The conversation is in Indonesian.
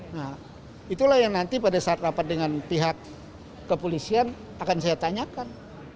nah itulah yang nanti pada saat rapat dengan pihak kepolisian akan saya tanyakan